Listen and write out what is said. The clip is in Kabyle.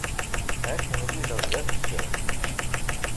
Ad k-mlileɣ d akessar.